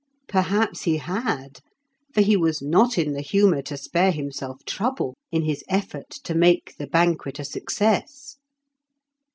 Perhaps he had, for he was not in the humour to spare himself trouble in his effort to make the banquet a success.